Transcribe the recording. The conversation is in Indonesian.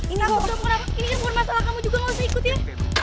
ini bukan masalah kamu juga gak usah ikut ya